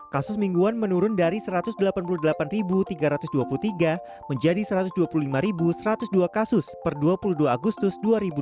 kasus mingguan menurun dari satu ratus delapan puluh delapan tiga ratus dua puluh tiga menjadi satu ratus dua puluh lima satu ratus dua kasus per dua puluh dua agustus dua ribu dua puluh